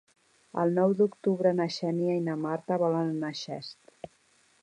El nou d'octubre na Xènia i na Marta volen anar a Xest.